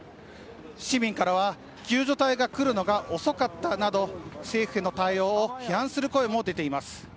市民からは救助隊が来るのが遅かったなどと政府への対応を批判する声も出ています。